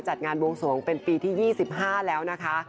จัดงานบวงสวงเป็นปีที่๒๕แล้วนะคะ